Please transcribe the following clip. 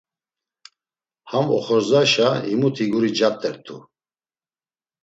Ham oxorzaşa himuti guri cat̆ert̆u.